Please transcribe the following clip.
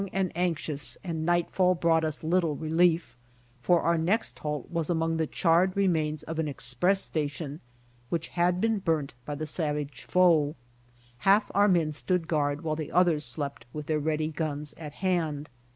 and anxious and nightfall brought us little relief, for our next halt was among the charred rennains of an express station which had been burnt by the savage foe. Half our men stood guard, while the others slept with their ready guns at hand.